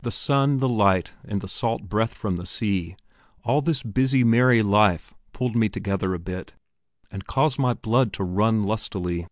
The sun, the light, and the salt breath from the sea, all this busy, merry life pulled me together a bit, and caused my blood to run lustily.